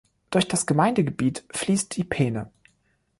Durch das Gemeindegebiet fließt die Peene.